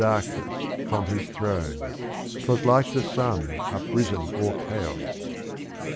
qj^j darkness from his throne: 'twas like the sun Uprisen o'er chaos: (II.